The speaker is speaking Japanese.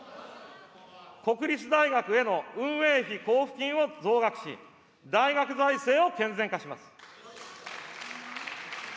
国立大学への運営費交付金を増額し、大学財政を健全化します。